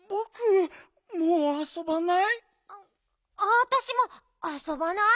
わわたしもあそばない。